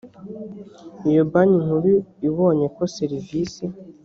iyo banki nkuru ibonye ko serivisi